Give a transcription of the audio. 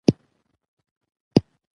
مېلمه ته د خوږو خبرو مثال شه.